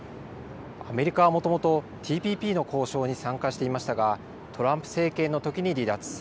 アメリカはもともと、ＴＰＰの交渉に参加していましたが、トランプ政権のときに離脱。